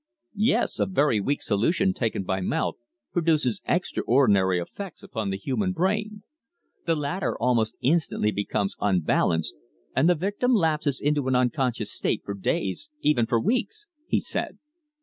"Yes. A very weak solution taken by the mouth produces extraordinary effects upon the human brain. The latter almost instantly becomes unbalanced and the victim lapses into an unconscious state for days, even for weeks," he said.